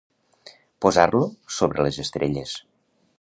Posar-lo sobre les estrelles.